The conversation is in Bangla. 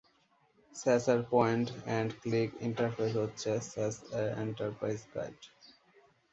স্যাস এর পয়েন্ট-এন্ড-ক্লিক ইন্টারফেস হচ্ছে স্যাস এর এন্টারপ্রাইজ গাইড।